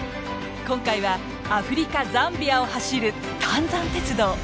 今回はアフリカ・ザンビアを走るタンザン鉄道。